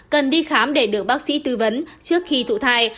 cần đi khám để đưa bác sĩ tư vấn trước khi thụ thai